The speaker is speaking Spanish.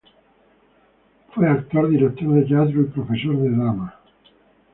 Fue actor, director de teatro y profesor de drama.